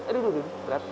aduh aduh aduh